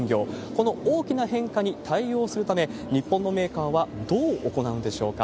この大きな変化に対応するため、日本のメーカーはどう行うんでしょうか。